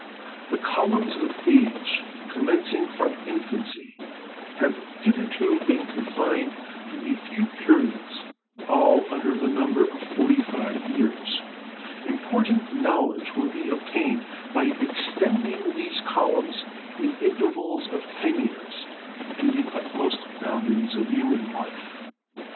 The columns of age, commencing from infancy, have hitherto been confined to a few periods, all under the number of 45 years. Important knowledge would be obtained by extending these columns, in intervals of ten years, to the utmost boundaries of human life.